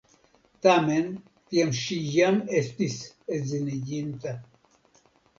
Tamen tiam ŝi jam estis edziniĝinta.